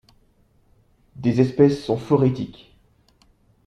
Des espèces sont phorétiques.